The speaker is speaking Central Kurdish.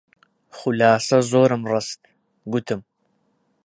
خولاسە زۆرم ڕست، گوتم: